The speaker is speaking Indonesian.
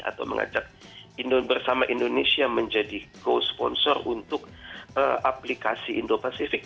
atau mengajak bersama indonesia menjadi co sponsor untuk aplikasi indo pacific